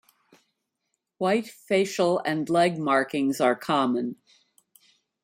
White facial and leg markings are common.